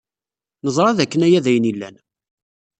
Neẓra dakken aya d ayen yellan.